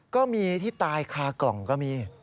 ก็มีที่ตายคากล่องก็มี